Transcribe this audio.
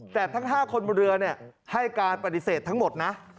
แต่ทั้ง๕คนบนเรือให้การปฏิเสธทั้งหมดนะ